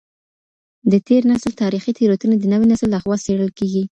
د تېر نسل تاريخي تېروتني د نوي نسل لخوا څېړل کېږي.